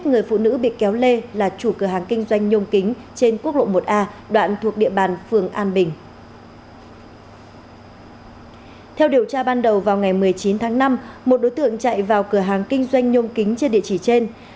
theo điều tra ban đầu vào ngày một mươi chín tháng năm một đối tượng chạy vào cửa hàng kinh doanh nhôm kính trên địa chỉ trên